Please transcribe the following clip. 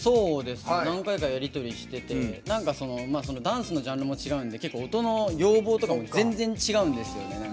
何回かやり取りしててダンスのジャンルも違うんで音の要望とかも全然、違うんですよね。